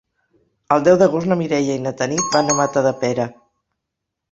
El deu d'agost na Mireia i na Tanit van a Matadepera.